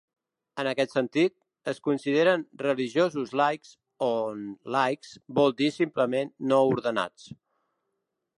En aquest sentit, es consideren "religiosos laics", on "laics" vol dir simplement "no ordenats".